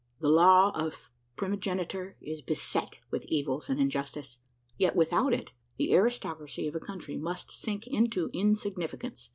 The law of primogeniture is beset with evils and injustice; yet without it, the aristocracy of a country must sink into insignificance.